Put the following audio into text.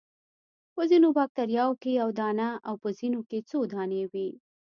په ځینو باکتریاوو کې یو دانه او په ځینو کې څو دانې وي.